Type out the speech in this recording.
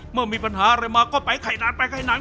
เมื่อมีปัญหาอะไรมาก็ไปไข่นานไปไข่นาน